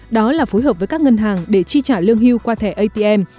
đó là phối hợp với các ngân hàng để chi trả lương hưu qua thẻ atm